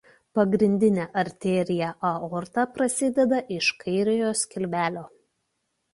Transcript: Pagrindinė arterija aorta prasideda iš kairiojo skilvelio.